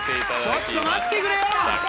ちょっと待ってくれよ！